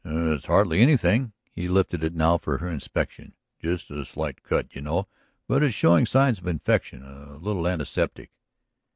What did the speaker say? "It's hardly anything." He lifted it now for her inspection. "Just a slight cut, you know. But it's showing signs of infection. A little antiseptic